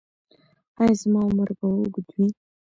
ایا زما عمر به اوږد وي؟